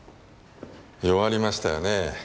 弱りましたよねぇ。